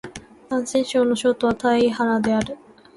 山西省の省都は太原である